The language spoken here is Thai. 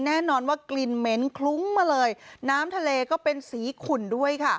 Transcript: แน่นอนว่ากลิ่นเหม็นคลุ้งมาเลยน้ำทะเลก็เป็นสีขุ่นด้วยค่ะ